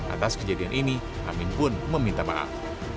atas kejadian ini amin pun meminta maaf